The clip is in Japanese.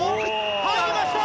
入りました！